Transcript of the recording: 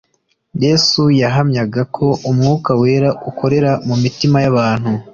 Yesu yahamyaga ko Umwuka wera ukorera mu mitima y'abantu